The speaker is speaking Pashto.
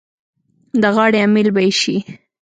د غاړې امېل به یې شي.